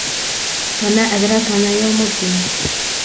وما أدراك ما يوم الدين